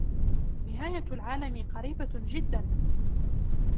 نهاية العالم قريبة جداً!